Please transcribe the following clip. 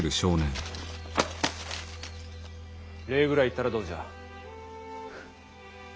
礼ぐらい言ったらどうじゃ。